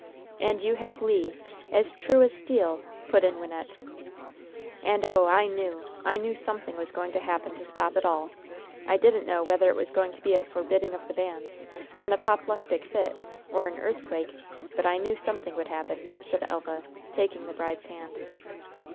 "And you have Le, as true as steel!" put in Wynnette. "And, oh, I knew! I knew something was going to happen to stop it all! I didn't know whether it was going to be a forbidding of the banns, or an apoplectic fit, or an earthquake, but I knew something would happen," said Elva, taking the bride's other hand.